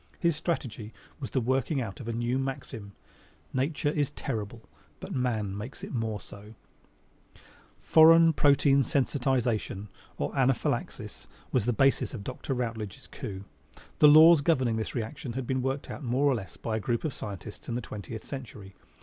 His strategy was the working out of a new maxim: Nature is terrible, but man makes it more so. Foreign protein sensitization or anaphylaxis was the basis of Dr. Rutledge's coup. The laws governing this reaction had been more or less worked out by a group of scientists in the twentieth century.